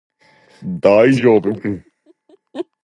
大丈夫